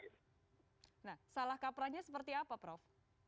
nah salah kaprahnya seperti apa prof